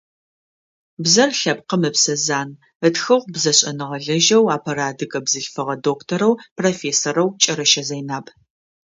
«Бзэр лъэпкъым ыпсэ зан»,- ытхыгъ бзэшӏэныгъэлэжьэу апэрэ адыгэ бзылъфыгъэ докторэу профессорэу Кӏэрэщэ Зэйнаб.